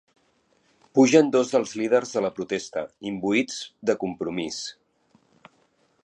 Pugen dos dels líders de la protesta, imbuïts de compromís.